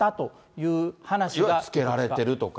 いわゆるつけられているとか？